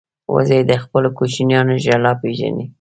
وزې د خپلو کوچنیانو ژړا پېژني